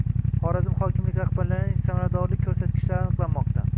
Xorazm hokimlik rahbarlarining samaradorlik ko‘rsatkichlari aniqlanmoqda